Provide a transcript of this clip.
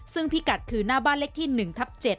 ซึ่งพิกัดคือหน้าบ้านเลขที่๑ทับ๗